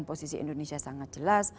posisi indonesia sangat jelas